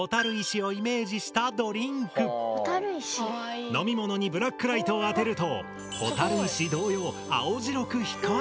こちら飲み物にブラックライトを当てると蛍石同様青白く光るんだ。